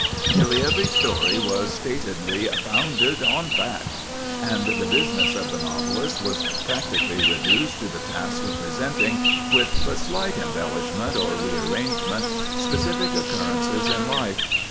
Nearly every story was statedly "founded on fact"; and the business of the novelist was practically reduced to the task of presenting, with but slight embellishment or rearrangement, specific occurrences in life.